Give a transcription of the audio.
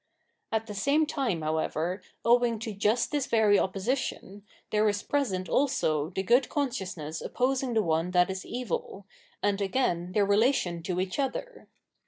At the same time, however, owing to just this very opposition, there is present also the good con sciousness opposing the one that is evU., and again their relation to each other.